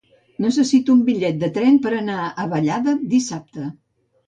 Necessito un bitllet de tren per anar a Vallada dissabte.